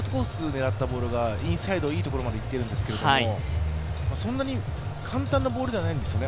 狙ったボールがインサイド、いいところまでいっているんですけれどもそんなに簡単なボールではないんですよね。